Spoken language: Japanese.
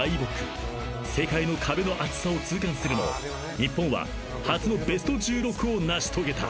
［世界の壁の厚さを痛感するも日本は初のベスト１６を成し遂げた］